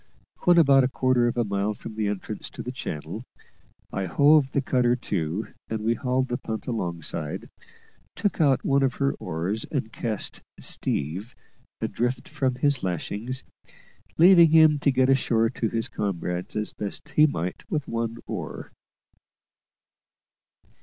When about a quarter of a mile from the entrance to the channel, I hove the cutter to, and we hauled the punt alongside, took out one of her oars, and cast "Steve" adrift from his lashings, leaving him to get ashore to his comrades as best he might with one oar.